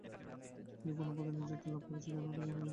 তিনি কোন পদে নিযুক্তি লাভ করেছিলেন তা জানা যায়নি।